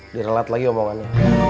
direlat lagi omongannya